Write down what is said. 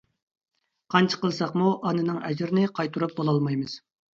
قانچە قىلساقمۇ ئانىنىڭ ئەجرىنى قايتۇرۇپ بولالمايمىز.